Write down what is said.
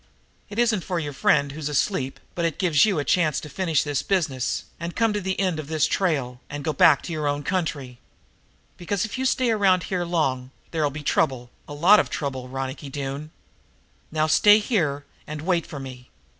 "It isn't for your friend who's asleep, but it's to give you a chance to finish this business and come to the end of this trail and go back to your own country. Because, if you stay around here long, there'll be trouble, a lot of trouble, Ronicky Doone. Now stay here and wait for me.